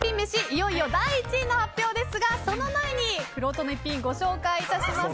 いよいよ第１位の発表ですがその前にくろうとの逸品ご紹介します。